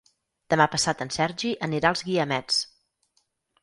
Demà passat en Sergi anirà als Guiamets.